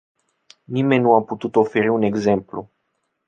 Nimeni nu a putut oferi un exemplu.